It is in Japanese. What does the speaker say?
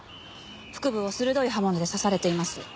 腹部を鋭い刃物で刺されています。